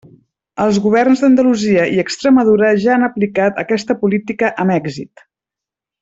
Els governs d'Andalusia i Extremadura ja han aplicat aquesta política amb èxit.